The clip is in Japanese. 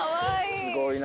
すごいな！